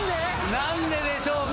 何ででしょうか？